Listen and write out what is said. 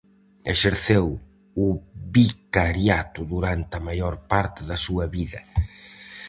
Exerceu o vicariato durante a maior parte da súa vida.